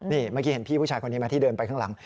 นี่เมื่อกี้เห็นพี่ผู้ชายคนนี้ไหมที่เดินไปข้างหลัง